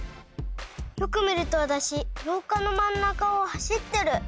よく見るとわたしろうかの真ん中を走ってる。